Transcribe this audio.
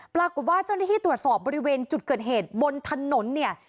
ปรากฏว่าเจ้าหน้าที่ตรวจสอบบริเวณจุดเกิดเหตุบนถนนเนี่ย